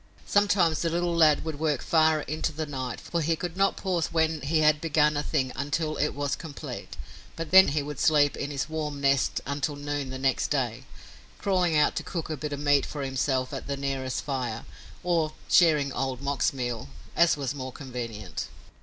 Sometimes the little lad would work far into the night, for he could not pause when he had begun a thing until it was complete but then he would sleep in his warm nest until noon the next day, crawling out to cook a bit of meat for himself at the nearest fire, or sharing Old Mok's meal, as was more convenient.